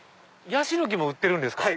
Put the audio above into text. ヤシの木も売ってるんですか？